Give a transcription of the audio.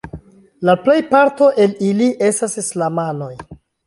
La plejparto el ili estas islamanoj.